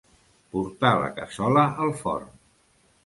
Portar la cassola al forn.